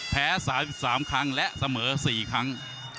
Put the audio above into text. แพ้๓๓ครั้งและเสมอ๔ครั้ง